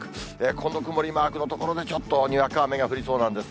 この曇りマークの所で、ちょっとにわか雨が降りそうなんです。